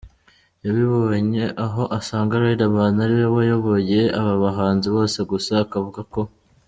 yabibonye, aho asanga Riderman ari we wayoboye aba bahanzi bose gusa akavuga ko.